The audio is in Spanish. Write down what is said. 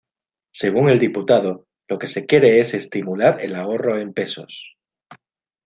Según el diputado, lo que se quiere es estimular el ahorro en pesos.